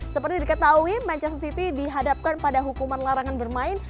seperti diketahui manchester city dihadapkan pada hukuman larangan bermain